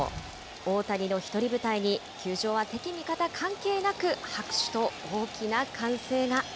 大谷の独り舞台に球場は敵味方関係なく、拍手と大きな歓声が。